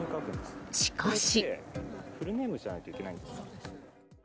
しかし。